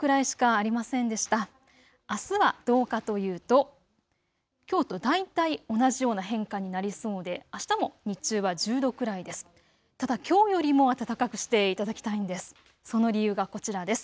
あすはどうかというと、きょうと大体同じような変化になりそうで、あしたも日中は１０度くらいです。